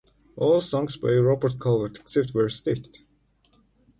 All songs by Robert Calvert except where stated.